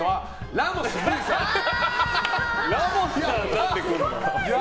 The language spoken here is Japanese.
ラモスさんが来るの？